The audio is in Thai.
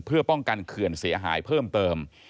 เพื่อป้องกันเขื่อนเสียหายเพิ่มเติม